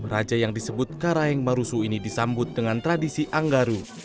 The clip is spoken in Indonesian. raja yang disebut karaeng marusu ini disambut dengan tradisi anggaru